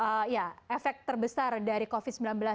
ada beberapa penyebab atau efek terbesar dari covid sembilan belas